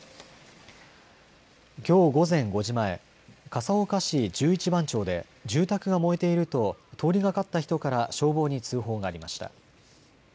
きょう午前５時前、笠岡市十一番町で住宅が燃えていると通りがかった人から消防に通報がありました。